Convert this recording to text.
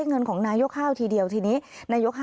ฟังเสียงลูกจ้างรัฐตรเนธค่ะ